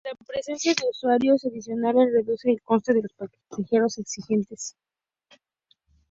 La presencia de usuarios adicionales reduce el coste de los pasajeros existentes.